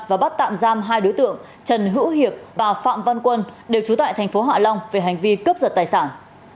và bắt tạm giam hai đối tượng trần hữu hiệp và phạm văn quân đều chú tại tp hạ long về hành vi cướp giật tài sản